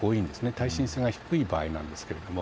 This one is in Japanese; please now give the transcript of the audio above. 耐震性が低い場合ですけれども。